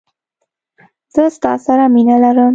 زه ستا سره مینه لرم.